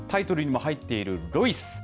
タイトルにも入っているロイス。